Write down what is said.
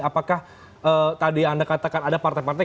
apakah tadi anda katakan ada partai partai